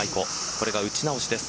これが打ち直しです。